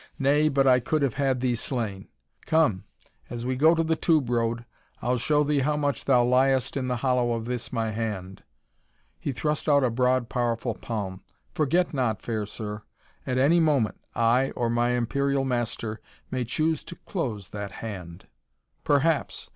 "Nay, but I could have had thee slain. Come, as we go to the tube road I'll show thee how much thou liest in the hollow of this, my hand." He thrust out a broad, powerful palm. "Forget not, fair sir. At any moment I or my Imperial Master may choose to close that hand." "Perhaps!"